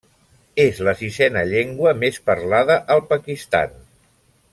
És la sisena llengua més parlada al Pakistan.